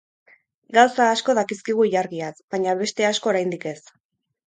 Gauza asko dakizkigu ilargiaz, baina beste asko oraindik ez.